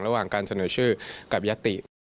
ระหว่างการเสนอชื่อกับยติ